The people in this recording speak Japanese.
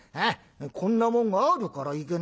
こんなもんがあるからいけねえんだ。